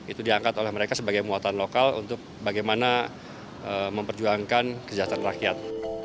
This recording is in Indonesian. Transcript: itu diangkat oleh mereka sebagai muatan lokal untuk bagaimana memperjuangkan kesejahteraan rakyat